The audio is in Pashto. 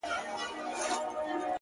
تور باڼۀ وروځې او زلفې خال او زخه ,